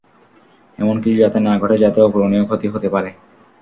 এমন কিছু যাতে না ঘটে যাতে অপূরণীয় ক্ষতি হতে পারে।